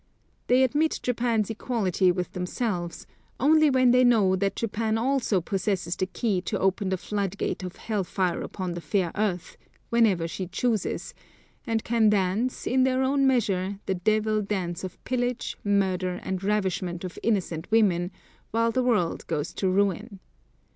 They admit Japan's equality with themselves, only when they know that Japan also possesses the key to open the floodgate of hell fire upon the fair earth, whenever she chooses, and can dance, in their own measure, the devil dance of pillage, murder, and ravishment of innocent women, while the world goes to ruin.